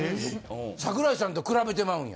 桜井さんと比べてまうんや。